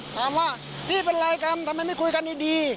ถามว่าพี่เป็นอะไรกันทำไมไม่คุยกันดี